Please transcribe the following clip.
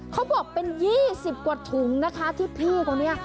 เขาบอกเป็น๒๐กว่าถุงนะคะที่พี่คนนี้